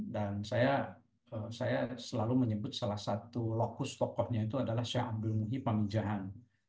dan saya selalu menyebut salah satu lokus tokohnya itu adalah syekh abdul muhyid pamin jahan